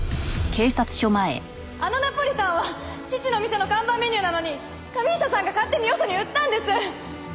あのナポリタンは父の店の看板メニューなのに神下さんが勝手によそに売ったんです！